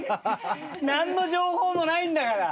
何の情報もないんだから。